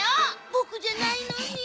ボクじゃないのに。